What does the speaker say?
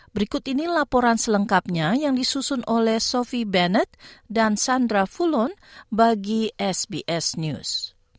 berikut ini laporan selengkapnya yang disusun oleh sofie banet dan sandra fulon bagi sbs news